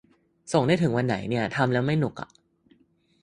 ส่งได้ถึงวันไหนเนี่ย ทำแล้วไม่หนุกอ่ะ